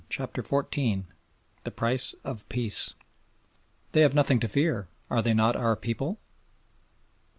CHAPTER XIV THE PRICE OF PEACE "They have nothing to fear; are they not our people?"